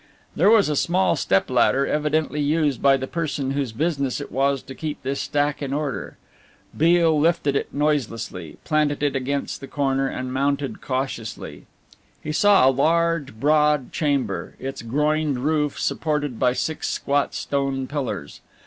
There was a small step ladder, evidently used by the person whose business it was to keep this stack in order. Beale lifted it noiselessly, planted it against the corner and mounted cautiously. He saw a large, broad chamber, its groined roof supported by six squat stone pillars.